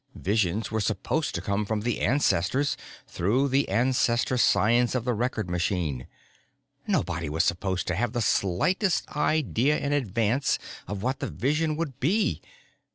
Visions were supposed to come from the ancestors, through the Ancestor science of the record machine. Nobody was supposed to have the slightest idea in advance of what the vision would be.